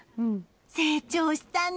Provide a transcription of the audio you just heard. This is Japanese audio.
成長したね！